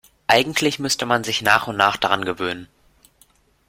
Eigentlich müsste man sich nach und nach daran gewöhnen.